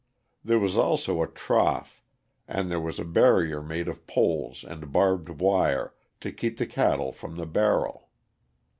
There was also a trough, and there was a barrier made of poles and barbed wire to keep the cattle from the barrel.